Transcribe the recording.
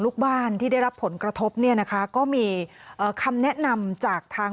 ลูกบ้านที่ได้รับผลกระทบเนี่ยนะคะก็มีเอ่อคำแนะนำจากทาง